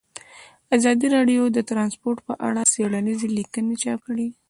ازادي راډیو د ترانسپورټ په اړه څېړنیزې لیکنې چاپ کړي.